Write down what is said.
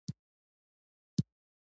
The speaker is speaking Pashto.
سلو بال یو ډول تېز بالر دئ.